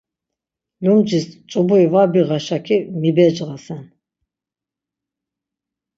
Lumcis ç̌uburi var biğa-şaki mibecğasen.